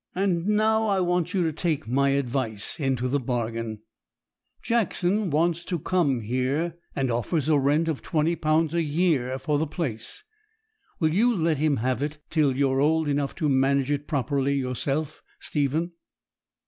And now I want you to take my advice into the bargain. Jackson wants to come here, and offers a rent of £20 a year for the place. Will you let him have it till you are old enough to manage it properly yourself, Stephen?'